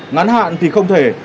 ngắn hạn thì không thể